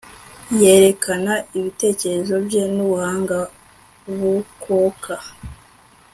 Yerekana ibitekerezo bye nubuhanga bukooka